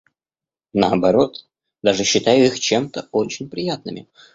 Наоборот, даже считаю их чем-то очень приятными.